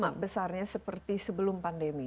dan sama besarnya seperti sebelum pandemi